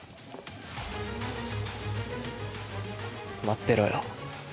待ってろよ。